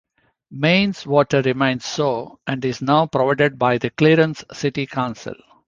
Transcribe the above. Mains water remains so, and is now provided by the Clarence City Council.